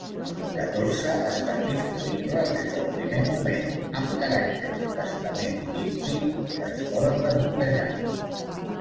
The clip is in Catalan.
Catorze estan disponibles des del primer moment, amb caràcters Testament i Dizzy que es poden desbloquejar.